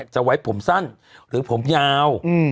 จะไว้ผมสั้นหรือผมยาว